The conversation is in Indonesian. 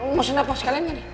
mau senapas kalian gak nih